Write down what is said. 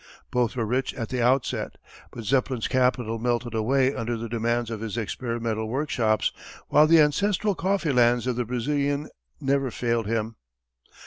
Both were rich at the outset, but Zeppelin's capital melted away under the demands of his experimental workshops, while the ancestral coffee lands of the Brazilian never failed him.